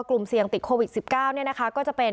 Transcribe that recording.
กลุ่มเสี่ยงติดโควิด๑๙เนี่ยนะคะ